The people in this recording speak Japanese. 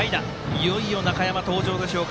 いよいよ中山、登場でしょうか。